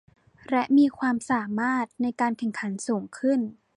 และมีความสามารถในการแข่งขันสูงขึ้น